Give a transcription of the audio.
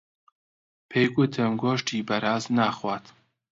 پێی گوتم گۆشتی بەراز ناخوات.